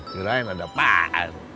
kirain ada apaan